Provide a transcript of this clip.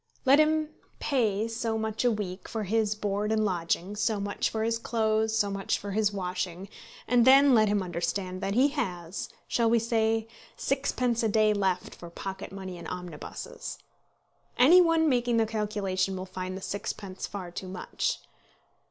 Let him pay so much a week for his board and lodging, so much for his clothes, so much for his washing, and then let him understand that he has shall we say? sixpence a day left for pocket money and omnibuses. Any one making the calculation will find the sixpence far too much.